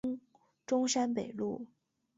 中山北路